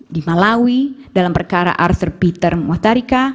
di malawi dalam perkara arthur peter muhtarika